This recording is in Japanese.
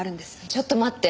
ちょっと待って。